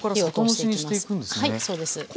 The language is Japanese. はいそうです。